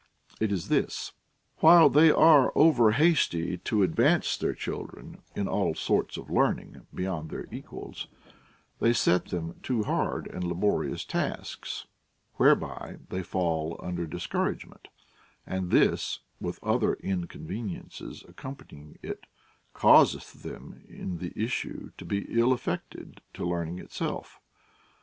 It is this : while they are over hasty to advance their children in all sorts of learning beyond their eqnals, they set them too hard and laborious tasks, whereby they fall under discouragement ; and this, with other inconveniences accompanying it, caus eth them in the issue to be ill affected to learning• itself.